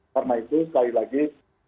karena itu sekali lagi